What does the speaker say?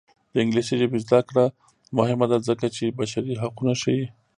د انګلیسي ژبې زده کړه مهمه ده ځکه چې بشري حقونه ښيي.